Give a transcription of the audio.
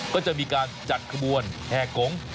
ก็จะมีการจัดขบวนแห่กง